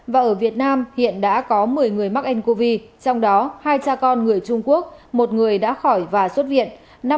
và ở việt nam hiện đã có một mươi người mắc ncov trong đó hai cha con người trung quốc một người đã khỏi và xuất viện